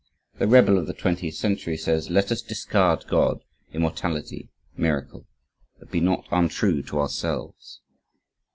The rebel of the twentieth century says: "Let us discard God, immortality, miracle but be not untrue to ourselves."